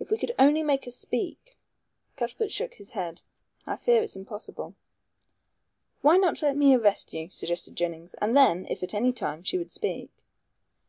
If we could only make her speak " Cuthbert shook his head. "I fear it's impossible." "Why not let me arrest you," suggested Jennings, "and then, if at anytime, she would speak."